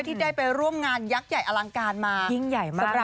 ที่ได้ไปร่วมงานยักษ์ใหญ่อลังการมายิ่งใหญ่มาก